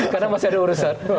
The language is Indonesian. karena masih ada urusan